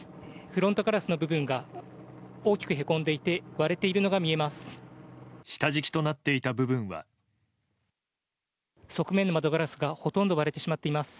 フロントガラスの部分が大きくへこんでいて割れているのが見えます。